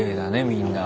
みんな。